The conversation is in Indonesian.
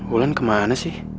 ulan kemana sih